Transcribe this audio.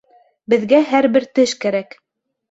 — Беҙгә һәр бер теш кәрәк.